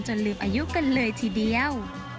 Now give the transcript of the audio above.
ลืมอายุกันเลยทีเดียว